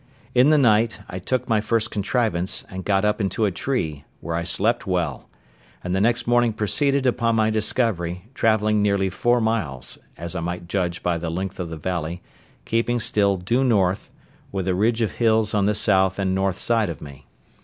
In the night, I took my first contrivance, and got up in a tree, where I slept well; and the next morning proceeded upon my discovery; travelling nearly four miles, as I might judge by the length of the valley, keeping still due north, with a ridge of hills on the south and north side of me.